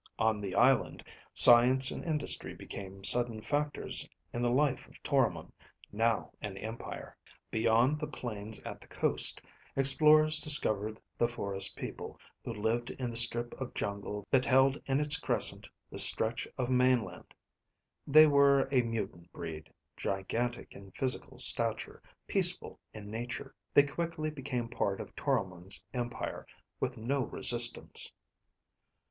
On the island, science and industry became sudden factors in the life of Toromon, now an empire. "Beyond the plains at the coast, explorers discovered the forest people who lived in the strip of jungle that held in its crescent the stretch of mainland. They were a mutant breed, gigantic in physical stature, peaceful in nature. They quickly became part of Toromon's empire, with no resistance.